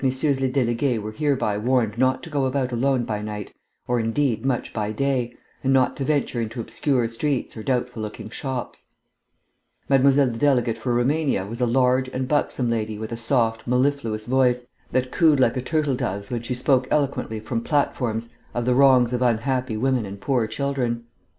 les Délégués were hereby warned not to go about alone by night, or, indeed, much by day, and not to venture into obscure streets or doubtful looking shops. Mademoiselle the delegate from Roumania demanded the word. Mademoiselle the delegate for Roumania was a large and buxom lady with a soft, mellifluous voice that cooed like a turtle dove's when she spoke eloquently from platforms of the wrongs of unhappy women and poor children.